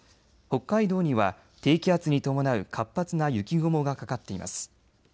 北海道には低気圧に伴う活発な雪雲がかかっています。